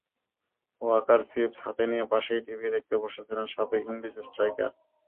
Waker chips হাতে নিয়ে পাশেই টিভি দেখতে বসেছিলেন সাবেক ইংলিশ স্ট্রাইকার।